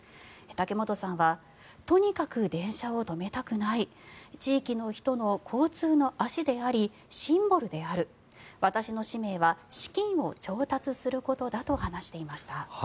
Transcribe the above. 竹本さんはとにかく電車を止めたくない地域の人の交通の足でありシンボルである私の使命は資金を調達することだと話していました。